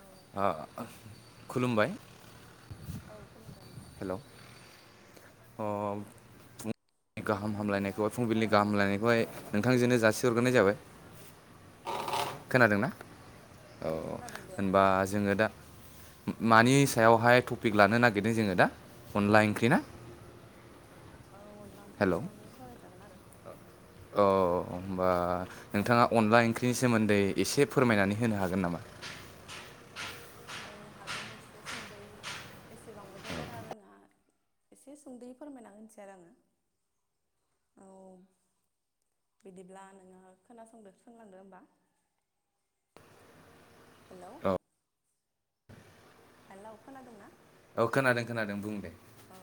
औ खुलुमबाय औ खुलुमबाय नोंथां हेलौ अ नि गाहाम नोंथांनि हामलायनायखौ आवाजखौ फुंबिलिनि बारा गाहाम मोजाङै हामलायनायखौहाय खोनाफैयाखै नोंथांजोंनो जासिहरग्रोनाय जाबाय औ औ खोनादोंना औ खोनादों दे होनबा जोंङो दा मानि सायावहाय टपिक लानो नागिरदों जोंङो दा अनला ओंख्रि ना औ अनला ओंख्रि सायावनो सावरायजागोन आरो औ होनोमबा नोंथांङा अनला ओंख्रिनि सोमोन्दै एसे फोरमायनानै होनो हागोन नामा? [inaudible] औ हागोन एसे संद'यै एसेबांबोथ' बारा रोङा एसे सुंद'यै फोरमायना होनोसै आरो आंङो [inaudible] बिदिब्ला नोंङो खोनासंदो सोंलांदो होमबा हेलौ औ हेलौ खोनादों ना? औ खोनादों खोनादों बुं दे औ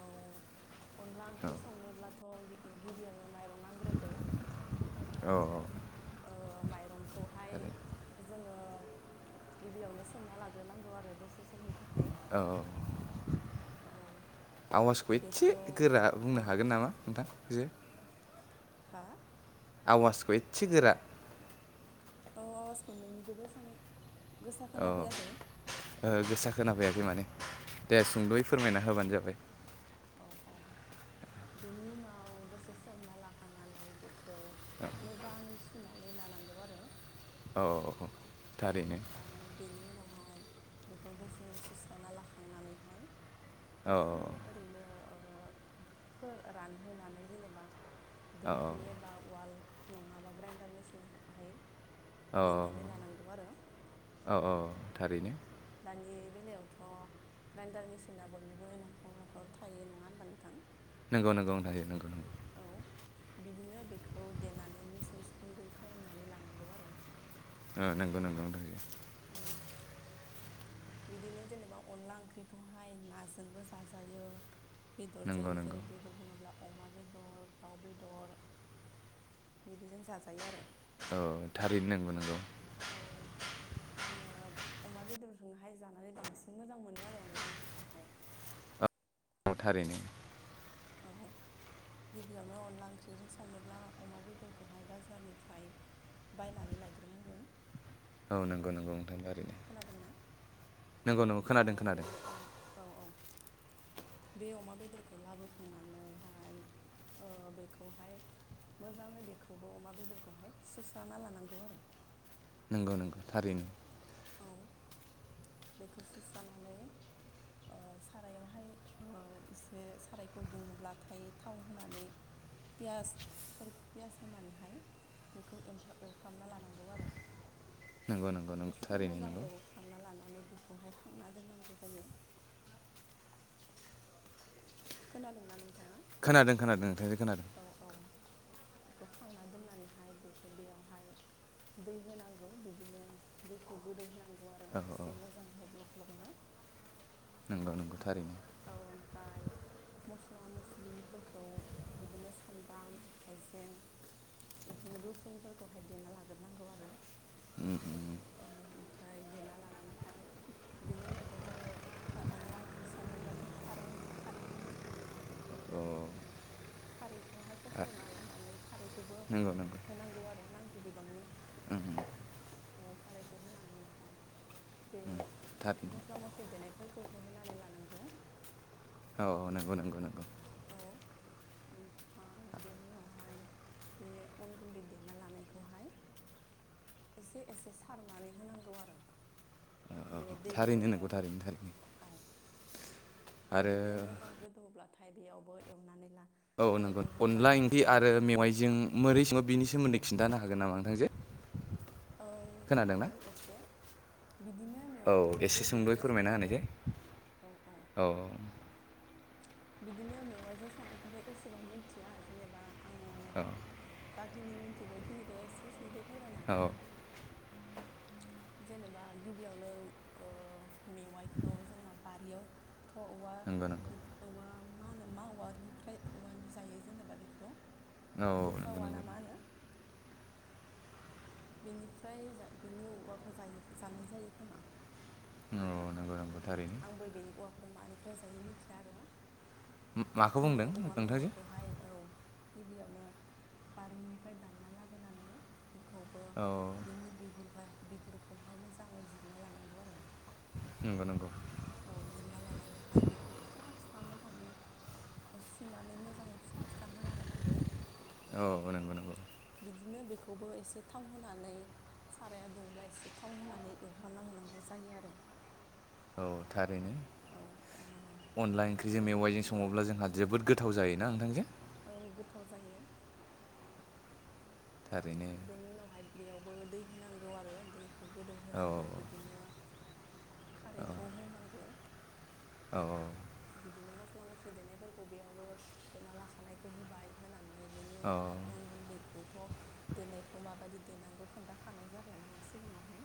अनला औ ओंख्रि संनोब्लाथ' गिबियावनो मरंनांग्रोगौ औ औ ओ माइरंखौहाय थारैनो जोङो गिबियावनो सोमना लाग्रोनांगौ आरो दसे समनि थाखाय औ औ आवाजखौ एसे बेखौ गोरा औ बुंनो हागोन नामा नोंथां जो हा आवाजखौ एसे गोरा औ आवासखौ नोंनिखौ बेसां औ ओ गोसा खोनाफायाखै माने दे सुंद'यै फोरमायना होबानो जाबाय औ औ बेनि उनाव दसे सोमना लाखांनानै बेखौ मोजांङै सुनानै ला लानांगौ आरो औ औ औ थारैनो ओमफ्राय बेनि उनावहाय हाय बेखौ दसे सुस्राना लाखांनानैहाय औ दसे ओरैनो फोर रानहोनानै जेनेबा औ दिंखि एबा उवाल नंङाबा ग्राइडार मेसिनहाय औ देरनानै लानांगोन औ औ थारैनो दानि बेलायावथ' ग्राइन्डार मेसिना बयनिबो न'खर न'खर थायो नङा होनबा नोंथां नंगौ नंगौ नोंथांजो नंगौ नंगौ औ बिदिनो बेखौ देनानै मिस मिस गुन्दै खालामनानै लानांगौ आरो ओ नंगौ नंगौ [unintelligible] [inaudible] बिदिनो जेनेबा अनला ओंख्रिखौहाय नाजोंबो जाजायो बेदरजों नंगौ नंगौ जेरै बेदर बुङोब्ला अमा बेदर दाउ बेदर बिदिजों जाजायो आरो औ थारैनो नंगौ नंगौ औ आङो अमा बेदरजोंहाय जानानै बांसिन मोजां मोनो आरो अनला ओंख्रिखौहाय ओ नंगौ थारैनो औ गिबियावनो अनला ओंख्रिजों संनोब्ला अमा बेदरखौहाय बाजारनिफ्राय बायनानै लायग्रोनांगोन औ नंगौ नंगौ नोंथां। थारैनो खोनादोंना? नंगौ नंगौ औ खोनादों बे खोनादों अम औ औ बे अमा बेदरखौ लाबोखांनानैहाय ओ बेखौहाय मोजाङै बेखौबो अमा बेदरखौहाय सुस्राना लानांगौ आरो नंगौ नंगौ थारैनो औ [inaudible] बेखौ सुस्रानानै ओ सारायावहाय ओ एसे सारायखौ दुङोब्लाथाय थाव होनानै पियासफोर पियास होनानैहाय बेखौ एवफ्रामना लानांगौ आरो नंगौ नंगौ नंगौ एसे थारैनो मोजां नंगौ एवफ्रामना लानानै बेखौहाय खांना दोननांगौ जायो खोनादोंना? नों खोनादों खोनादों नोंथांजो खोनादों औ बेखौ खांना दोननानैहाय बेखौ बेयावहाय दै होनांगौ बिदिनो दैखौ गोदौ होनांगौ आरो औ औ एसे मोजाङैहाय ग्लोब ग्लोबनो नंगौ नंगौ थारैनो ओ ओमफ्राय मस्ला मस्लिफोरखौ बिदिनो सामब्राम हाइजें बिदिनो रुसुनफोरखौहाय देना लाग्रोनांगौ आरो उम उम उम, औ ओमफ्राय देना लानानैहाय बेनि उनावथ' जोङो अनला ओंख्रि स संनोब्लाथ' खारै खारैखौनो नांखागौन ना औ खारैखौहाय फसरना लानानै खारैखौबो नंगौ नंगौ होनांगौ आरो नांगौ बिबांनि औ खारैखौ होनानै ओमफ्राय बे थारैनो मस्ला मस्लि देनायफोरखौ होहोनानै लानांगौ औ औ नंगौ नंगौ नंगौ औ ओमफ्राय [inaudible] बेनि उनावहाय बे अन गुन्दै देना लानायखौहाय एसे एसे सारनानै होनांगौ आरो औ औ बे दै थारैनो नंगौ गोदौनायावहाय थारैनो थारैनो औ आरो बिदिनो मोजां गोदौब्लाथाय बेयावबो एवनानै ला औ नंगौ खारैखौ होबाय अनला ओंख्रि होनानै आरो मोजाङै मेवाइजों खा बोरै सङो बिनि सोमोन्दै खिन्थानो हागोन नामा नोंथांजोे औ हागोन एसे बिदिनो औ मेवाइजोंबो एसे सोंद'यै बिदिनो सङो फोरमायना आरो होनायदे औ बिदिनो मेवाइजों संनायखौथ' एसेबां मिथिया जेनेबा आङो औ जाखिनि मिथिगौ बेखिनिखौ एसे सुदै फोरमायनो औ हागोन आरो। [inaudible] जेनेबा गिबियावनो ओ मेवाइखौ जोंना बारियाव थ औव नंगौ नंगौ औवा मा होनो मा औवानिफ्राय औवानि जायो जेनेबा बेखौ? औ नंगौ नंगौ बुरखाऔवाना मा होनो। [inaudible] बेनिफ्राय बेनि औवाखौ जायो जानाय जायो खोमा। औ नोंथां नंगौ नंगौ। थारैनो आंबो बेनि औवाखौ मानिफ्राय जायो मिथिया आरो। माखौ जिखुनु बुंदों औवा नोंथांजो मेवाइखौहाय। ओ गिबियावनो बारिनिफ्राय दानना लाबोनानै बेखौ औ बिनि बिगुर बिगुरखौहाय मोजाङै जिरना लानांगौ आरो। नंगौ नंगौ औ। जिरना लानानैहाय बेखौ फिसा फिसा मोजाङै सुसुनानै मोजाङै फिसा फिसा हाना लानांगौ। औ नंगौ नंगौ बिदिनो बेखौबो एसे थाव होनानै साराया दुंब्ला एसे थाव होनानै एवफ्र्रामना लानांगौ जायो आरो। औ। औ ओ थारैनो अनला ओंख्रिजों बेनि मेवाइजों उनावहाय औ सङोब्ला जोंहा जोबोद गोथाव जायो। ना नोंथांजों। औ गोथाव जायो। थारैनो बेनि उनावहाय बेयावबो दै होनांगौ आरो दैखौ गोदौ औ होनांगौ। बिदिनो- औ खारैखौ होनांगौ। औ औ। बिदिनो मस्ला मस्लि देनायफोरखौ बेयावबो देना लाखानायखौ होबाय होनानै बेनि औ उनावहाय अन गुन्दैखौथ' दोननायखौ माबायदि देनेनांगौ खोन्थाखानाय जाबाय आनोङो सिगाङावहाय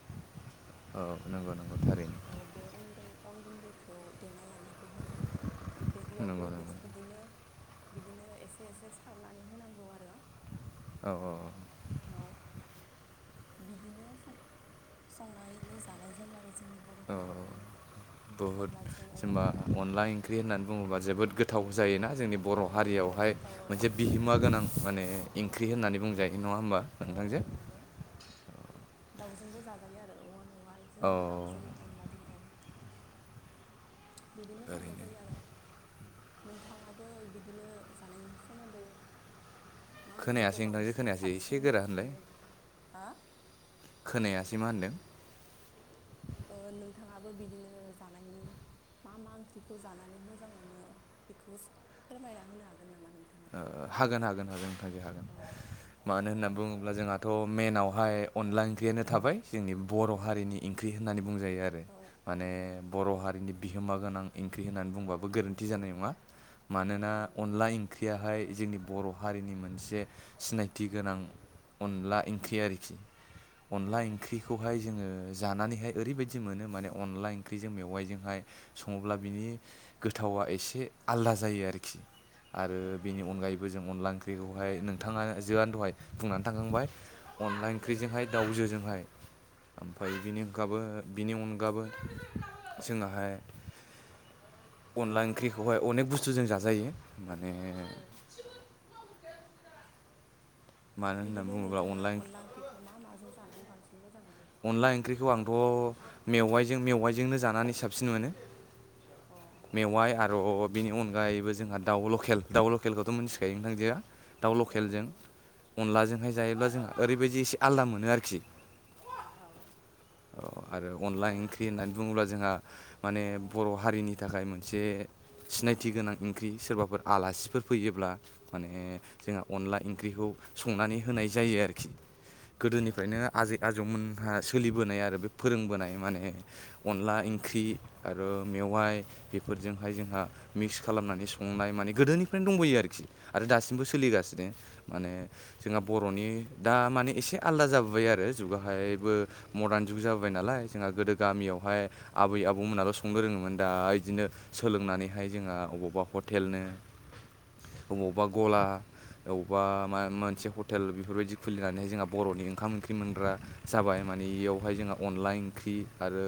औ नंगौ नंगौ थारैनो औ। बे उन अन गुन्दैखौ देना लानायखौ होनांगौ बे इयावबो नंगौ बे नंगौ बिदिनो बिदिनो एसे एसे सारनानै होनांगौ आरो। औ-औ-औ। औ बिदिनो सं संनानै जानाय जायो आरो जोंनि बर'फोरा। अनलाजों औवा जेनबा मेवाइखौहाय अनला ओंख्रि होननानै बुङोबा जोबोद गोथाव जायोना? जोंनि बर' ओ जोबोद हारियावहाय गोथाव औ मोनसे बिहोमा गोनां माने ओंख्रि होननानै बुंजायो। बे नङा होमबा औ औ नोंथांजों नंगौ दाउजोंबो जाजायो आरो औवा औ मेवाइजों दाउजों-' अनला औ। बिदिनो संनाय ओरैनो जायो आरो। नोंथाङाबो बिदिनो जानायनि सोमोन्दै मा खोनायासै ओंख्रिखौ नोंथांजो बांसिन खोनायासै एसे साबसिन गोरा होनलाय मोनो? हा खोनायासै मा होनदों? नोंथाङाबो बिदिनो जानायनि मा मा ओंख्रिखौ जानानै मोजां मोनो बेखौ फोरमायना होनो हागोन नामा नोंथाङा? ओ हागोन हागोन हागोनोंथांजो हागोन। औ मानो होननानै बुङोब्ला जोंहाथ' मेनावहाय अनला ओंख्रियानो थाबाय जोंनि बर' हारिनि ओंख्रि होननानै बुं बुंजायो आरो औ माने औ बर' हारिनि बिहोमा गोनां ओंख्रि होननानै बुंबाबो गोरोन्थि जानाय नङा मानोना औ नंगौ अनला ओंख्रियाहाय जोंनि बर' हारिनि मोनसे सिनायथि गोनां अनला ओंख्रि आरोखि। औ अनला ओंख्रिखौहाय जोङो जानानैहाय ओरैबायदि मोनो माने अनला ओंख्रिजों मेवाइजोंहाय सङोब्ला बिनि-' गोथावा एसे आलदा जायो आरोखि आरो औ बेनि नंगौ अनगायैबो जों अनला ओंख्रिखौहाय नों नोंथाङा जोआनो दहाय बुंनानै थांखांबाय अनला ओंख्रिजोंहाय दाउजोजोंहाय ओमफ्राय बिनि अनाबो बिनि अनगाबो जोंहाहाय अनला ओंख्रिखौहाय अनेख बुस्थुजों जाजायो माने औ मानो होननानै बिदिनो बुङोब्ला नोंथाङा अनला ओंख्रिखौ मा माजों जानानै बांसिन मोजां मोनो अनला ओंख्रिखौ आंथ' मेवाइजों मेवाइजोंनो जानानै साबसिन मोनो अ मेवाइ नंगौ आर' नंगौ बिनि उन अनगायैबो जोंहा दाउ लकेल दाउ लकेलखौथ' मिन्थिखायो नोंथाङजोआ औ दाउ औ लकेलजों नंगौ अनलाजोंहाय जायोब्ला जोंहा ओरैबायदि एसे आलादा मोनो आरोखि औ औ आरो अनला ओंख्रि होननानै बुङोब्ला जोंहा माने बर' हारिनि थाखाय मोनसे सिनायथि गोनां ओंख्रि सोरबाफोर आलासिफोर फैयोब्ला माने जोंहा अनला ओंख्रिखौ संनानै होनाय जायो आरोखि औ गोदोनिफ्रायनो आजै आजौमोनहा सोलिबोनाय आरो बे फोरोंबोनाय माने अनला औ ओंख्रि नंगौ आरो मेवाइ बेफोरजोंहाय जोंहा मिक्स खालामनानै संनाय माने गोदोनिफ्रायनो दंबयो आरोखि आरो दासिमबो सोलिगासिनो माने जोंहा बर'नि दा माने एसे आलदा जाबोबाय आरो जुगाहायबो मदार्न जुग जाबोबाय नालाय जोंहा गोदो गामियावहाय आबै आबौमोनाल' संनो रोङोमोन दा बिदिनो सोलोंनानैहाय जोंहा अबावबा ह हटेलनो अबावबा गला अबावबा मा मोनसे हटेल बेफोरबायदि खुलिनानै जोंहा बर'नि ओंखाम ओंख्रि मोन रा जाबाय माने बेयावहाय जोंहा अनला ओंख्रि आरो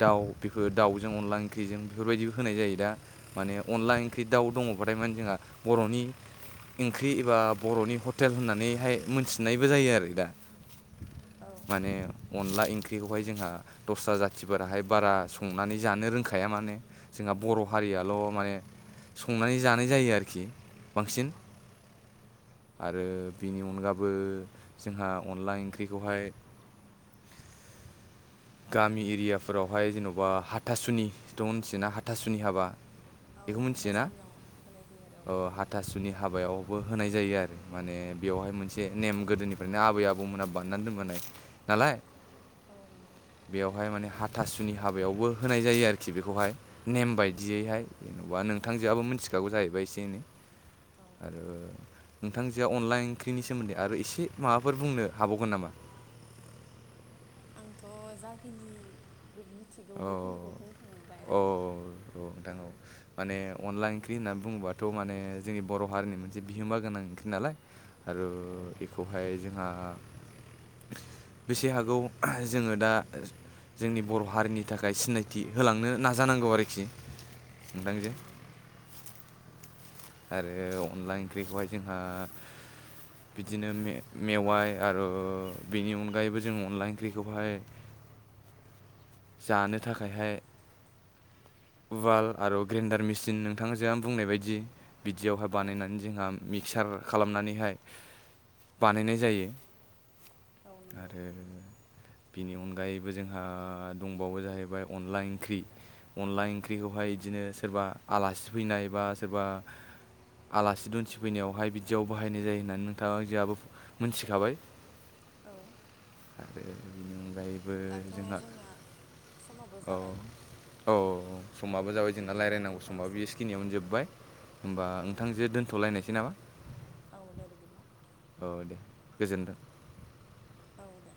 दाउ बेखो दाउजों अला ओंख्रिजों बेफोरबायदिबो होनाय जायो दा माने अनदला ओंख्रि दाउ दङबाथाय माने जोंहा बर'नि [unintelligible] ओंख्रि एबा बर'नि हटेल होननानैहाय मोनथिनायबो जायो आरो दा [unintelligible] औ माने नंगौ अनला ओंख्रिखौहाय जोंहा दस्रा जाथिफोराहाय बारा संनानै जानो रोंखाया मानो जोंहा बर' हारियाल' [unintelligible] अ माने संनानै जानाय जायो आरोखि औ बांसिन औ आरो बिनि अनगाबो जोंहा अनला ओंख्रिखौहाय [unintelligible] [unintelligible] गामि एरियाफोरावहाय जेन'बा हाथासुनिथ' मिथियोना हाथासुनि हाबा [unintelligible] औ बेखौ मिथियोना हाथासुनियाव होनाय जायो आरो औ नंगौ [inaudible] बो होनाय जायो आरो माने बेवहाय मोनसे नेम गोदोनिफ्रायनो आबै आबौमोनहा बान्नानै दोनबोनाय [unintelligible] नालाय औ नंगौ बेयावहाय माने हाथासु [unintelligible] जुनि हाबायावबो होनाय जायो आरोखि बेखौहाय नेम बायदियैहाय जेनबा नोंथांजोआबो मिथिखागौ जायो [unintelligible] जाहैबाय एसे एनै औ आरो नोंथांजोआ अनलाइन ओंख्रिनि सोमोन्दै आरो एसे माबाफोर बुंनो हाबावगोन नामा [unintelligible] आंथ' जाखिनि [inaudible] मिथिगौ औ बेखिनिखौ औ बुंखांबायानो औ नोंथां औ माने अनलाइन ओंख्रि होननानै बुङोबाथ' माने जोंनि बर' हारिनि मोनसे बिहोमा गोनां ओंख्रि नालाय आरो औ औ बेखौहाय जोंहा [unintelligible] बेसे हागौ जोङो दा ओज जोंनि बर' हारिनि नि थाखाय सिनायथि होलांनो नाजानांगौ आरोखि औ नोंथांजो नंगौ [unintelligible] आरो अनला ओंख्रिखौहाय जोंहा [unintelligible] बिदिनो मे-मेवाइ आरो बेनि अनगायैबो जों अनला ओंख्रिखौहाय जानो थाखायहाय उवाल औ आरो ग्रेन्डार मेसिन नोंथांजों आंनो बुंनाय बायदि बिदियावहाय औ बानायनानै जोंहा मिक्सार खालामनानैहाय बानायनाय जायो औ नंगौ आरो। बेनि अनगायैबो जोंहा दंबावो जाहैबाय अनला ओंख्रि। अनला ओंख्रिखौहाय बिदिनो सोरबा आलासि फैनाय बा सोरबा। आलासि दुन्सि फैनायावहाय बिदियाव बाहायनाय जायो होननानै नोंथाङा जोंहाबो मोनथिखाबाय। औ। आरो बेनि अनगायैबो दाथ' जोंहा जोंना समाबो औ जाबाय अ औ समाबो जाबाय जोंना बिदिब्ला रायलायनांगौ समाबो दोनथ'नोसै एसे औ खिनियावनो जोबबाय। होमबा औ दे नोंथांजोे बिदिब्ला दोन्थ'लायनायसै नामा। औ दे बिदिब्ला। औ दे गोजोन्थों। औ दे।